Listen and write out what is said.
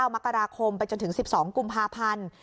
มกราคมไปจนถึง๑๒กุมภาพันธ์